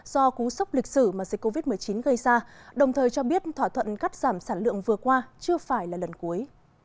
do cú sốc lịch sử mà dịch covid một mươi chín gây ra đồng thời cho biết thỏa thuận cắt giảm sản lượng vừa qua chưa phải là lần cuối